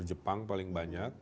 jepang paling banyak